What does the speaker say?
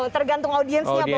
tergantung audiensnya pokoknya ya